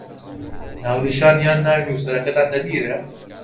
ناونیشان یان ناوی نووسەرەکەتان لەبیرە؟